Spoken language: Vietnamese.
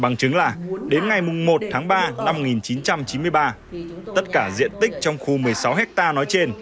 bằng chứng là đến ngày một tháng ba năm một nghìn chín trăm chín mươi ba tất cả diện tích trong khu một mươi sáu hectare nói trên